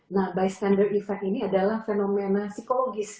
nah bystander effect ini adalah fenomena psikologis